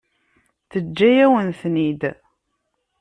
Teǧǧa-yawen-ten-id.